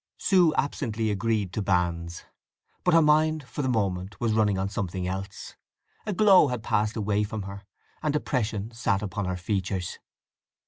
Sue absently agreed to banns. But her mind for the moment was running on something else. A glow had passed away from her, and depression sat upon her features.